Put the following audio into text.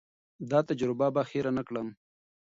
دا تجربه به هېر نه کړم.